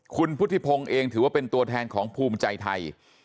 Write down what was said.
คุณพุทธิพงศ์เองถือว่าเป็นตัวแทนของภูมิใจไทย